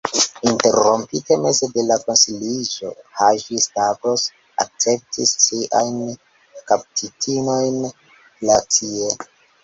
Interrompite meze de la konsiliĝo, Haĝi-Stavros akceptis siajn kaptitinojn glacie.